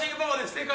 正解！